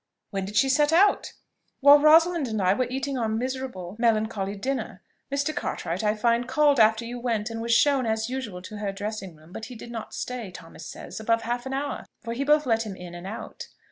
"When did she set out?" "While Rosalind and I were eating our miserable melancholy dinner. Mr. Cartwright, I find, called after you went, and was shown, as usual, to her dressing room; but he did not stay, Thomas says, above half an hour, for he both let him in and out.